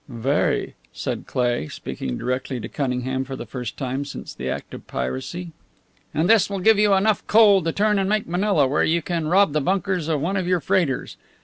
"Very," said Cleigh, speaking directly to Cunningham for the first time since the act of piracy. "And this will give you enough coal to turn and make Manila, where you can rob the bunkers of one of your freighters.